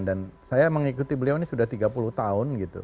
dan saya mengikuti beliau ini sudah tiga puluh tahun gitu